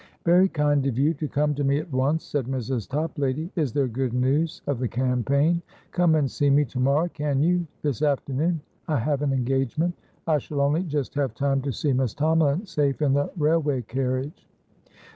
"Very kind of you, to come to me at once," said Mrs. Toplady. "Is there good news of the campaign? Come and see me to morrow, can you? This afternoon I have an engagement. I shall only just have time to see Miss Tomalin safe in the railway carriage."